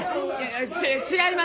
ち違います！